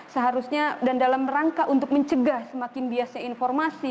seharusnya dan dalam rangka untuk mencegah semakin biasnya informasi